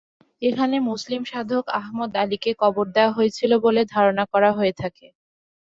এখানে মুসলিম সাধক আহমদ আলীকে কবর দেওয়া হয়েছিল বলে ধারণা করা হয়ে থাকে।